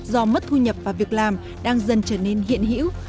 do mất thu nhập và việc làm đang dần trở nên hiện hữu